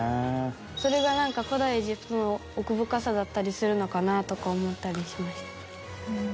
それが古代エジプトの奥深さだったりするのかなとか思ったりしました。